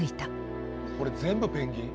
これ全部ペンギン？